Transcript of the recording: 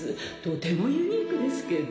とてもユニークですけど。